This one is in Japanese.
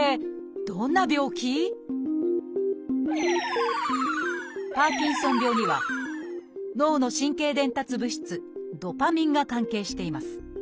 それはパーキンソン病には脳の神経伝達物質ドパミンが関係しています。